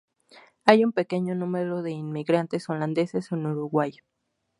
Hay un pequeño número de inmigrantes holandeses en Uruguay.